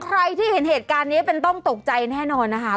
ใครที่เห็นเหตุการณ์นี้เป็นต้องตกใจแน่นอนนะคะ